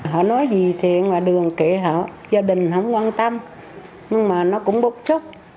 họ nói gì thì ngoài đường kệ họ gia đình không quan tâm nhưng mà nó cũng bức xúc